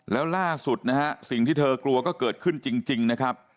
แล้วล่าสุดนะฮะสิ่งที่เธอกลัวก็เกิดขึ้นจริงนะครับ